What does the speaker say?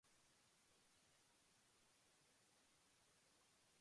In American English, the term "restroom" is more commonly used.